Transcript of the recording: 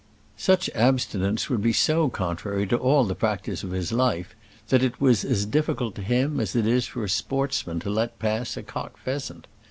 Such abstinence would be so contrary to all the practice of his life that it was as difficult to him as it is for a sportsman to let pass a cock pheasant.